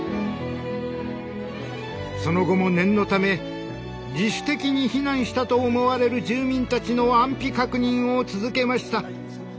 その後も念のため自主的に避難したと思われる住民たちの安否確認を続けました。